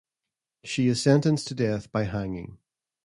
She is sentenced to death by hanging.